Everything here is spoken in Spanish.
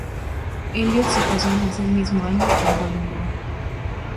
Elliott se casó ese mismo año con Dolly Moore.